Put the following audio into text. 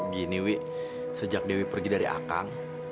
gini wi sejak dewi pergi dari akang